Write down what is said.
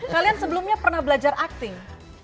kalian sebelumnya pernah belajar acting